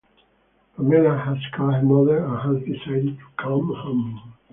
Pamela has called her mother and has decided to come home.